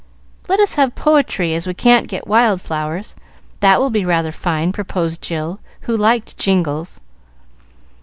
"Let us have poetry, as we can't get wild flowers. That will be rather fine," proposed Jill, who liked jingles.